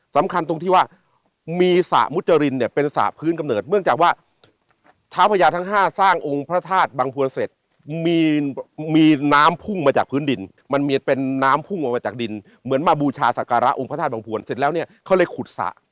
สำคัญตรงที่ว่ามีสระมุจรินเนี่ยเป็นสระพื้นกำเนิดเนื่องจากว่าเท้าพญาทั้ง๕สร้างองค์พระธาตุบังพวนเสร็จมีน้ำพุ่งมาจากพื้นดินมันมีเป็นน้ำพุ่งออกมาจากดินเหมือนมาบูชาศักระองค์พระธาตุบังพวนเสร็จแล้วเนี่ยเขาเลยขุดสระ